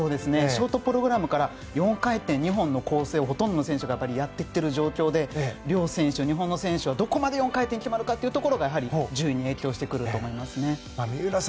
ショートプログラムから４回転２本の構成をほとんどの選手がやってきてる状況で日本の選手はどこまで４回転が決まるかというところが順位に影響してくると思いますね。